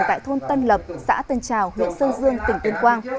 tại thôn tân lập xã tân trào huyện sơn dương tỉnh tuyên quang